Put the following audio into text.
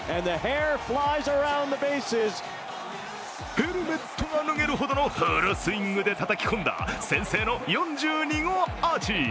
ヘルメットが脱げるほどのフルスイングでたたき込んだ先制の４２号アーチ。